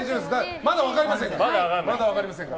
まだ分かりませんから。